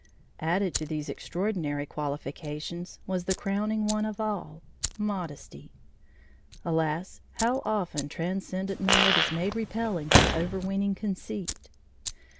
Added to these extraordinary qualifications, was the crowning one of all modesty. Alas, how often transcendent merit is made repelling by overweening conceit.